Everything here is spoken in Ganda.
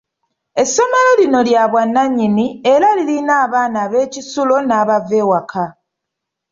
Essomero lino lya bwanannyini, era lirina abaana ab'ekisulo n'abava ewaka.